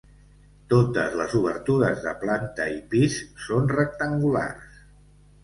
Totes les obertures de planta i pis són rectangulars.